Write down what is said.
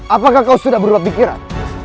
apakah kau sudah berubah pikiran